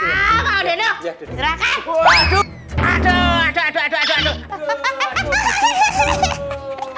aduh aduh aduh